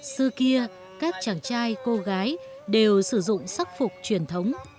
xưa kia các chàng trai cô gái đều sử dụng sắc phục truyền thống